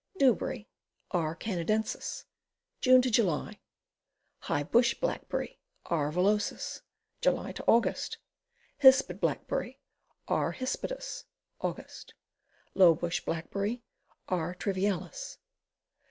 Dewberry. R. Canadensis. June July. High Bush Blackberry. jR. villosiis. July Aug. Hispid Blackberry. R. hispidus. Aug. Low Bush Blackberry. R. trivialis.